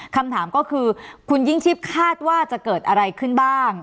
คำถามก็คือคุณยิ่งชีพคาดว่าจะเกิดอะไรขึ้นบ้าง